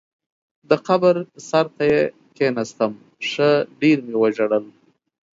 د قبر سر ته یې کېناستم، ښه ډېر مې وژړل.